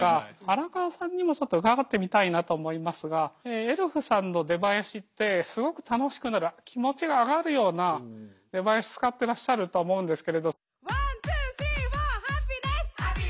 荒川さんにもちょっと伺ってみたいなと思いますがエルフさんの出囃子ってすごく楽しくなる気持ちが上がるような出囃子使ってらっしゃると思うんですけれど。